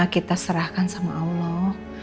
kita serahkan sama allah